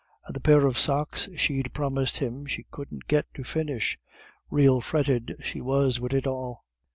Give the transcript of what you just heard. And the pair of socks she'd promised him she couldn't get to finish rael fretted she was wid it all.